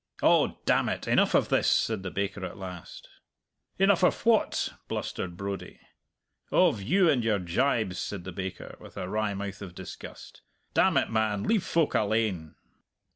"Oh, damn it, enough of this!" said the baker at last. "Enough of what?" blustered Brodie. "Of you and your gibes," said the baker, with a wry mouth of disgust. "Damn it, man, leave folk alane!"